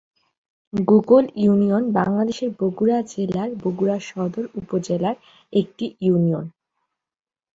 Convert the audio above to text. Gokul union বাংলাদেশের বগুড়া জেলার বগুড়া সদর উপজেলার একটি ইউনিয়ন।